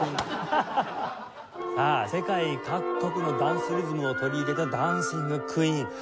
さあ世界各国のダンスリズムを取り入れた『ダンシング・クイーン』。